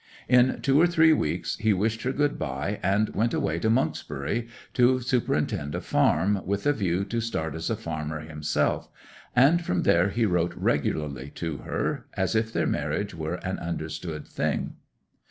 In two or three weeks he wished her good bye, and went away to Monksbury, to superintend a farm, with a view to start as a farmer himself; and from there he wrote regularly to her, as if their marriage were an understood thing.